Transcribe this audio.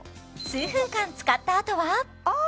数分間使ったあとはああ！